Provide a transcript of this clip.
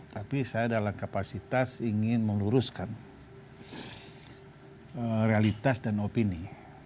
tapi saya dalam kapasitas ingin meluruskan realitas dan opini